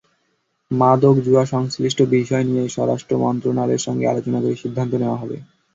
মাদক, জুয়াসংশ্লিষ্ট বিষয় নিয়ে স্বরাষ্ট্র মন্ত্রণালয়ের সঙ্গে আলোচনা করে সিদ্ধান্ত নেওয়া হবে।